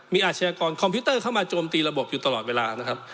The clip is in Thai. มีอาชญากรคอมพิวเตอร์เข้ามาโจมตีระบบอยู่ตลอดเวลานะครับ